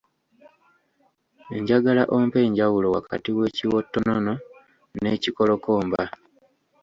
Njagala ompe enjawulo wakati w’ekiwottonono n’ekikolokomba